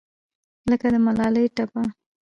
لکه د ملالې ټپه